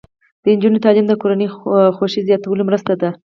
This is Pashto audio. د نجونو تعلیم د کورنۍ خوښۍ زیاتولو مرسته ده.